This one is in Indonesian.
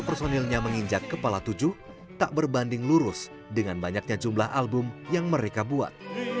personilnya menginjak kepala tujuh tak berbanding lurus dengan banyaknya jumlah album yang mereka buat